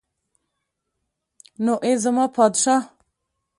نو ای زما پادشاه.